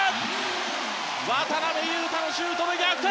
渡邊雄太のシュートで逆転！